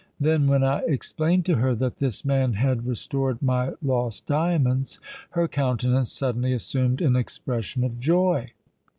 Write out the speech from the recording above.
Then, when I explained to her that this man had restored my lost diamonds, her countenance suddenly assumed an expression of joy.